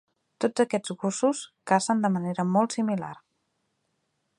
Tots aquests gossos cacen de manera molt similar.